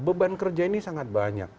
beban kerja ini sangat banyak